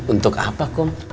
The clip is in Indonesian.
untuk apa kum